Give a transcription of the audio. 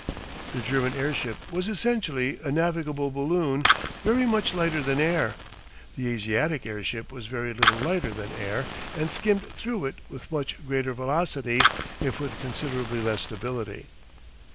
The German airship was essentially a navigable balloon very much lighter than air; the Asiatic airship was very little lighter than air and skimmed through it with much greater velocity if with considerably less stability.